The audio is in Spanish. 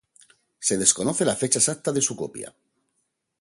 Se desconoce la fecha exacta de su copia.